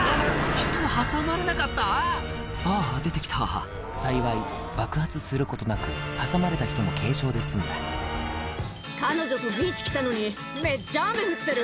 人挟まれなかった⁉あぁ出てきた幸い爆発することなく挟まれた人も軽傷で済んだ「彼女とビーチ来たのにめっちゃ雨降ってる」